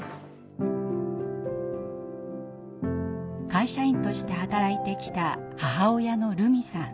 会社員として働いてきた母親の瑠美さん。